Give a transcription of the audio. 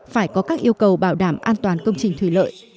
phải có các yêu cầu bảo đảm an toàn công trình thủy lợi